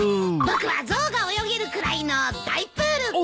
僕は象が泳げるくらいの大プール！